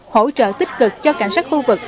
hỗ trợ tích cực cho cảnh sát khu vực